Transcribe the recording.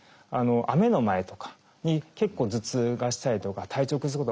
雨の前とかに結構頭痛がしたりとか体調崩すことが多いんですよね。